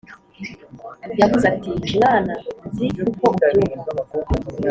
yavuze ati: 'mwana, nzi uko ubyumva.